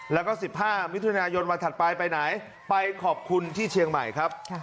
แล้วก็๑๕มิถุนายนวันถัดไปไปไหนไปขอบคุณที่เชียงใหม่ครับ